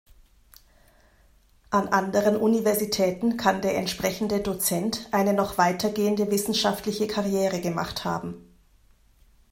An anderen Universitäten kann der entsprechende Dozent eine noch weitergehende wissenschaftliche Karriere gemacht haben.